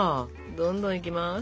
どんどんいきます。